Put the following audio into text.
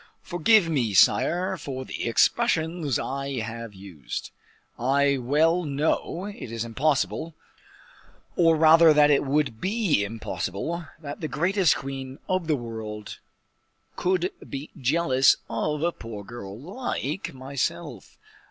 Forgive me, sire, for the expressions I have used. I well know it is impossible, or rather that it would be impossible, that the greatest queen of the whole world could be jealous of a poor girl like myself.